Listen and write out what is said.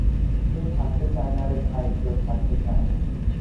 কেউ থাকতে চায় না রে ভাই, কেউ থাকতে চায় না।